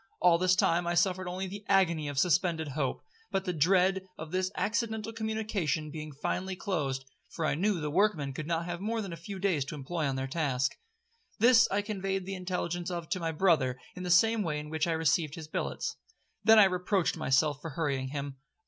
All this time I suffered not only the agony of suspended hope, but the dread of this accidental communication being finally closed; for I knew the workmen could not have more than a few days to employ on their task. This I conveyed the intelligence of to my brother in the same way in which I received his billets. Then I reproached myself for hurrying him.